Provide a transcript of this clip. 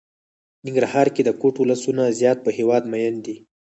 ننګرهار کې د کوټ ولسونه زيات په هېواد ميئن دي.